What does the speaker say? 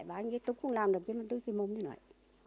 bằng viên cũng làm được cái mùa mưa này